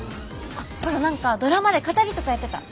ほら何かドラマで語りとかやってた。